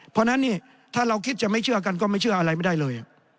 เพราะฉะนั้นนี่ถ้าเราคิดจะไม่เชื่อกันก็ไม่เชื่ออะไรไม่ได้เลย